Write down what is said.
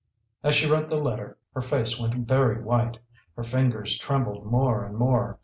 As she read the letter her face went very white, her fingers trembled more and more.